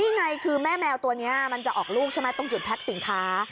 นี่ไงคือแม่แมวตัวนี้มันจะออกลูกใช่ไหมตรงจุดแพ็คสินค้า